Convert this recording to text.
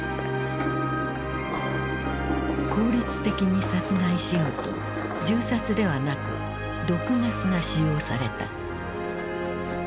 効率的に殺害しようと銃殺ではなく毒ガスが使用された。